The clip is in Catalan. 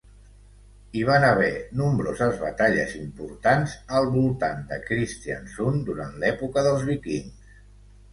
Hi van haver nombroses batalles importants al voltant de Kristiansund durant l'època dels vikings.